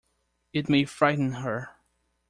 It may frighten her.